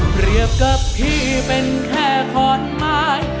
เปรียบกับพี่เป็นแค่คอนไม้